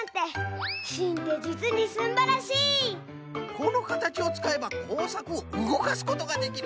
このかたちをつかえばこうさくをうごかすことができる！